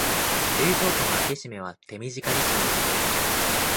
冷蔵庫の開け閉めは手短にすます